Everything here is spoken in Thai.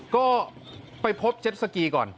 ก็ไปพบเจ็ดสกีก่อน